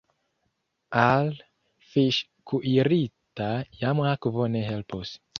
Al fiŝ’ kuirita jam akvo ne helpos.